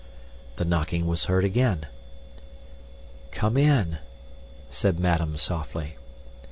The knocking was heard again. "Come in," said madame softly.